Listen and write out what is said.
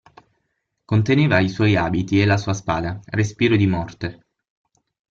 Conteneva i suoi abiti e la sua spada, Respiro di morte.